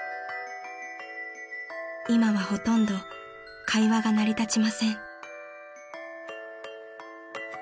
［今はほとんど会話が成り立ちません］